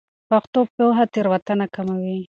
پښتو پوهه تېروتنه کموي.